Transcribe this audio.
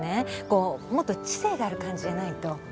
こうもっと知性がある感じじゃないと。